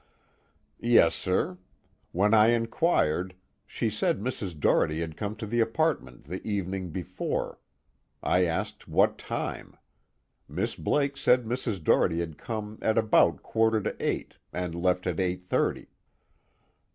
"Yes, sir. When I inquired, she said Mrs. Doherty had come to the apartment the evening before. I asked what time; Miss Blake said Mrs. Doherty had come at about quarter to eight and left at eight thirty."